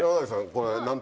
これ。